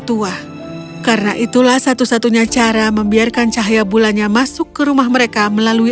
tua karena itulah satu satunya cara membiarkan cahaya bulannya masuk ke rumah mereka melalui